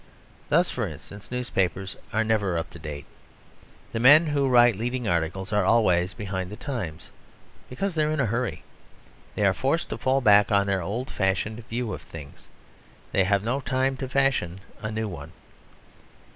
Thus, for instance, newspapers are never up to date. The men who write leading articles are always behind the times, because they are in a hurry. They are forced to fall back on their old fashioned view of things; they have no time to fashion a new one.